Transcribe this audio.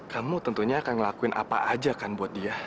kamu tentunya akan ngelakuin apa aja kan buat dia